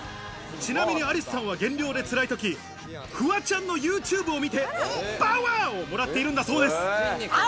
ちなみにアリスさんは減量で辛い時、フワちゃんのＹｏｕＴｕｂｅを見てパワーをもらっているんだそうです。